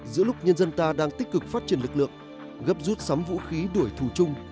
giữa lúc nhân dân ta đang tích cực phát triển lực lượng gấp rút sắm vũ khí đuổi thù chung